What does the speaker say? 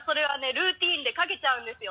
ルーティンでかけちゃうんですよ